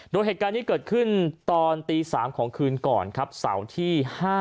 โดยเหตุการณ์นี้เกิดขึ้นตอนตี๓ของคืนก่อนครับเสาร์ที่๕